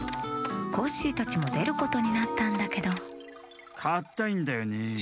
コッシーたちもでることになったんだけどかったいんだよね。